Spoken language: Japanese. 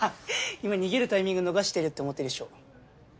今逃げるタイミング逃してるって思ってるでしょ